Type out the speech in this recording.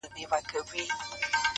ورته راغله د برکلي د ښکاریانو -